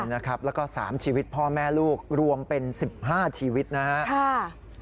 แล้วก็๓ชีวิตพ่อแม่ลูกรวมเป็น๑๕ชีวิตนะครับ